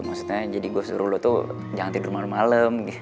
maksudnya jadi gue suruh lo tuh jangan tidur malem malem